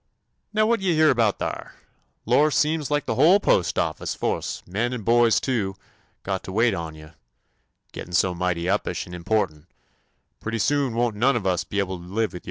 "Now what yo' hear out thar*? Lor, seems like the whole postoffice fo'ce — men and boys too — got to wait on you! Gettin' so mighty uppish and important I Pretty soon won't 120 TOMMY POSTOFFICE none of us be able to live wid yo'.